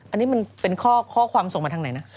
อันนี้มันเป็นข้อความส่งมาทางไหนนะ